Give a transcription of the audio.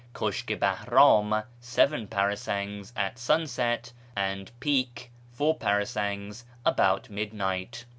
; Kushk i Bahram (seven parasangs) at sunset ; and Pik (four parasangs) about midnight.